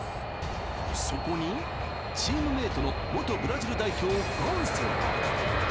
そこにチームメートの元ブラジル代表ガンソが。